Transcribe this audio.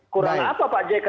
kurang apa pak jk